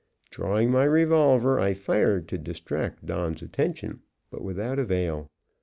Drawing my revolver, I fired to distract Don's attention; but without avail.